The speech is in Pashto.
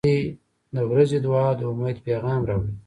• د ورځې دعا د امید پیغام راوړي.